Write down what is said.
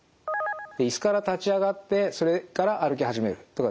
椅子から立ち上がってそれから歩き始めるとかですね